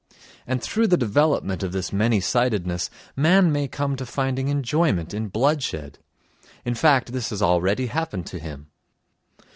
And through the development of this many sidedness man may come to finding enjoyment in bloodshed. In fact, this has already happened to him.